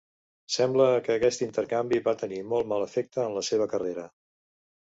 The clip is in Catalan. Sembla que aquest intercanvi va tenir molt mal efecte en la seva carrera.